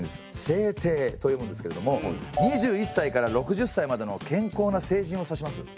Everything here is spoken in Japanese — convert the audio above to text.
「せいてい」と読むんですけれども２１歳から６０歳までの健康な成人を指します。